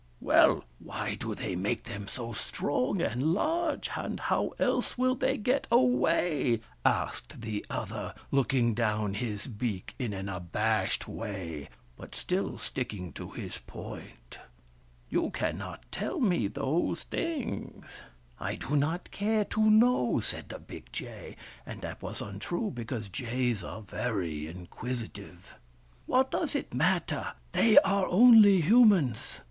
" Well, why do they make them so strong and large, and how else will they get away ?" asked the other, looking down his beak in an abashed way, but still sticking to his point. " You cannot tell me those things." " I do not care to know," said the big jay ; and that was untrue, because jays are very inquisitive. " What does it matter ? They are only humans.